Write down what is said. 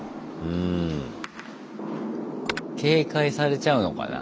警戒されちゃうのかな？